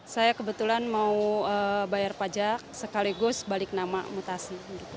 saya kebetulan mau bayar pajak sekaligus balik nama mutasi